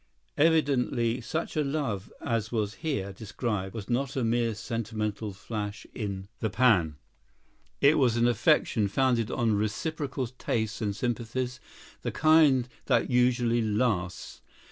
Evidently such a love as was here described was not a mere sentimental flash in the pan. It was an affection founded on reciprocal tastes and sympathies, the kind that usually lasts.